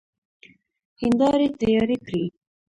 هيندارې تيارې کړئ!